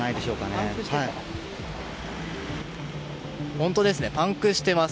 本当ですね、パンクしています。